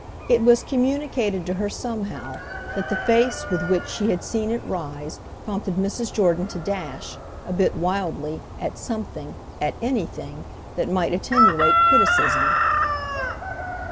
It was communicated to her somehow that the face with which she had seen it rise prompted Mrs. Jordan to dash, a bit wildly, at something, at anything, that might attenuate criticism.